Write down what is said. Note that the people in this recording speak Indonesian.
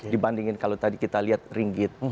dibandingin kalau tadi kita lihat ringgit